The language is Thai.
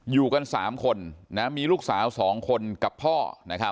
อยู่กันสามคนนะมีลูกสาวสองคนกับพ่อนะครับ